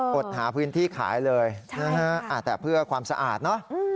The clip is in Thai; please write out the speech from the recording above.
เอออดหาพื้นที่ขายเลยอาจแต่เพื่อความสะอาดนะ